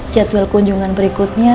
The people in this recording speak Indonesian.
jadwal kunjungan berikutnya